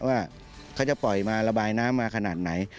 ว่าเขาจะปล่อยมาระบายน้ำมาขนาดไหน